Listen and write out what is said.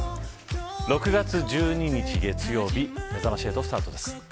６月１２日月曜日めざまし８スタートです。